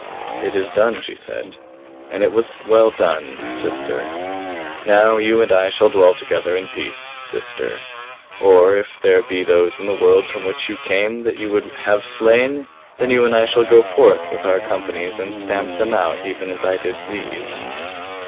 "It is done," she said. "And it was well done sister. Now you and I shall dwell together in peace sister. Or if there be those in the world from which you came that you would have slain, then you and I shall go forth with our companies and stamp them out even as I did these."